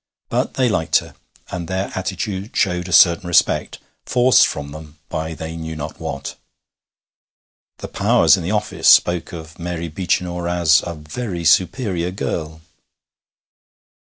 But they liked her, and their attitude showed a certain respect, forced from them by they knew not what. The powers in the office spoke of Mary Beechinor as 'a very superior girl.'